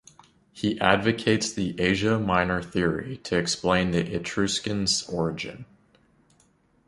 He advocates the Asia Minor theory to explain the Etruscans' origin.